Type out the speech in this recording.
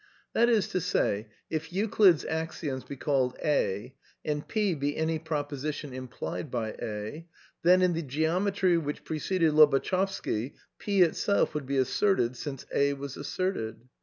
That is to say, if Euclid's axioms be called A, and P be any proposition implied by A, then, in the Geometry which preceded Lobatschewsky, P itself would be asserted since A was asserted.